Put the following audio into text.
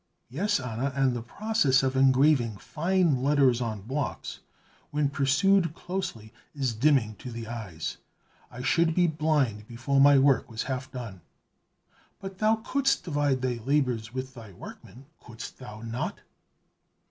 "Yes, Anna, and this process of engraving fine letters on blocks, when pursued closely, is dimming to the eyes; I should be blind before my work was half done." "But thou couldst divide thy labors with thy workmen, couldst thou not?"